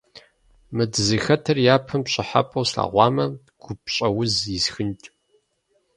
Мы дызыхэтыр япэм пщӀыхьэпӀэу слъэгъуамэ, гупщӀэуз исхынт.